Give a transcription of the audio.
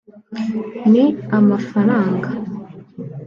ni amafaranga